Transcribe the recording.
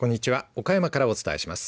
岡山からお伝えします。